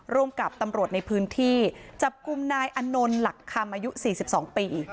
ร่วมกับตำรวจในพื้นที่จับกลุ่มนายอนนท์หลักคำอายุ๔๒ปี